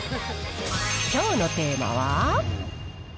きょうのテーマは。